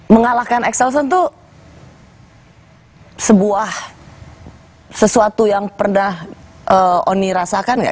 mengalahkan axelson tuh sebuah sesuatu yang pernah oni rasakan enggak